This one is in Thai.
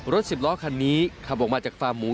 สิบล้อคันนี้ขับออกมาจากฟาร์มหมู